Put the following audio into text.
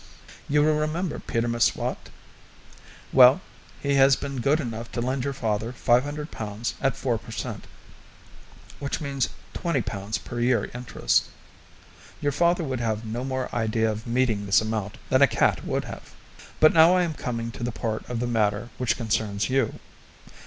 You will remember Peter M'Swat? Well, he has been good enough to lend your father 500 pounds at 4 per cent, which means 20 pounds per year interest. Your father would have no more idea of meeting this amount than a cat would have. But now I am coming to the part of the matter which concerns you.